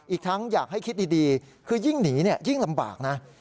อีกทั้งอยากให้คิดดีคือยิ่งหนียิ่งลำบากนะ